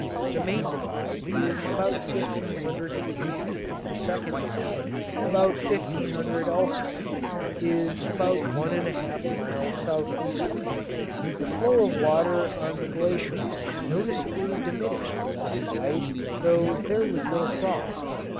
The main divide is about fifteen hundred feet; the second divide, about fifteen hundred also, is about one and one half miles southeastward. The flow of water on the glacier noticeably diminished last night though there was no frost.